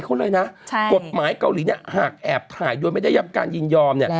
กฎหมายแกรงการยืนยอม